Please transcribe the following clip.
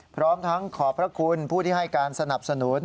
พร้อมทั้งขอบพระคุณผู้ที่ให้การสนับสนุน